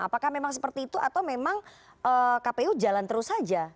apakah memang seperti itu atau memang kpu jalan terus saja